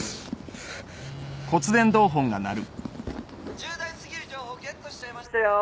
重大過ぎる情報ゲットしちゃいましたよ！